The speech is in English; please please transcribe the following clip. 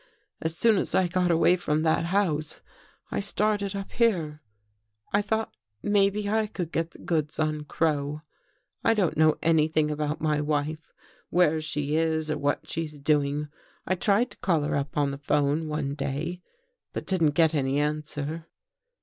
As soon as I got away from that house, I started up here. I thought maybe I could get the goods on Crow. I don't know anything about my wife, where she is, or what she's doing. I tried to call her up on the 'phone, one day, but didn't get any answer."